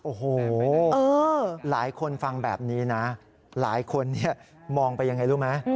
โอ้โหหลายคนฟังแบบนี้นะหลายคนมองไปยังไงรู้ไหม